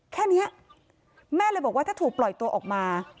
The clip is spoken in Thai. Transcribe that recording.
แค่นี้แม่เลยบอกว่าถ้าถูกปล่อยตัวออกมา